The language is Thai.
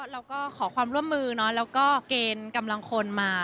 เราก็ขอความร่วมมือแล้วก็เกณฑ์กำลังคนมา